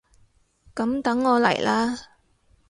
噉等我嚟喇！